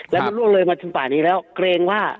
แล้วมันล่วงเลยมาถึงป่านี้แล้วเกรงว่า